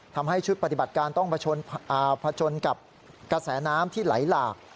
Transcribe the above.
ทำให้ชุดปฏิบัติการต้องผจญกับกระแสน้ำที่ไหลหลาก